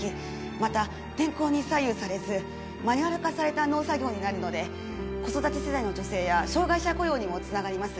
また天候に左右されずマニュアル化された農作業になるので子育て世代の女性や障害者雇用にもつながります